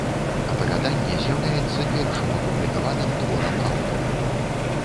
Апавяданне з'яўляецца першым апублікаваным творам аўтара.